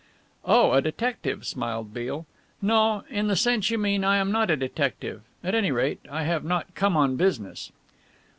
"Oh, a detective," smiled Beale. "No, in the sense you mean I am not a detective. At any rate, I have not come on business."